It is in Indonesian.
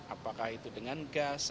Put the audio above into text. apakah itu dengan gas